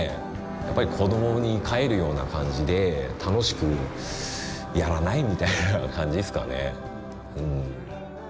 やっぱり子どもに帰るような感じで楽しくやらない？みたいな感じですかね。